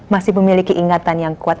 masih memiliki ingatan yang kuat